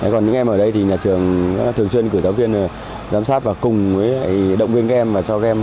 còn những em ở đây thì nhà trường thường xuyên cử giáo viên giám sát và cùng động viên các em